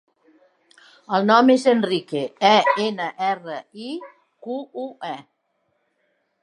El nom és Enrique: e, ena, erra, i, cu, u, e.